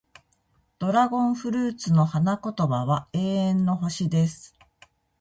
ドラゴンフルーツの花言葉は、永遠の星、です。